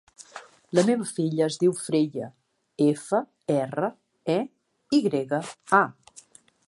La meva filla es diu Freya: efa, erra, e, i grega, a.